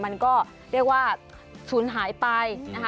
มันก็เรียกว่าศูนย์หายไปนะคะ